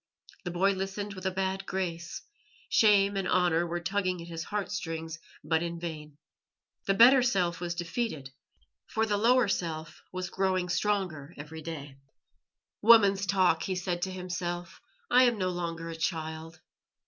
The boy listened with a bad grace shame and honour were tugging at his heart strings, but in vain. The better self was defeated, for the lower self was growing stronger every day. "Woman's talk," he said to himself. "I am no longer a child."